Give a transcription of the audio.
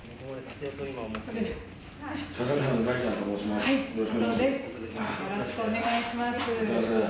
よろしくお願いします。